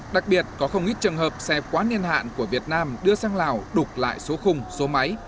đặc biệt có không ít trường hợp xe quá niên hạn của việt nam đưa sang lào đục lại số khung số máy